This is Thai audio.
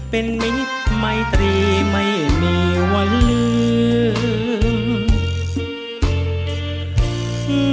เป็นมิตรไมตรีไม่มีวันลืม